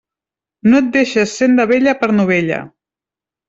No et deixes senda vella per novella.